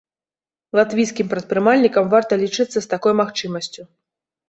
Латвійскім прадпрымальнікам варта лічыцца з такой магчымасцю.